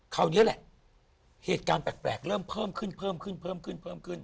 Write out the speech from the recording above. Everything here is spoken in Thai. คราวนี้แหละเหตุการณ์แปลกเริ่มเพิ่มขึ้น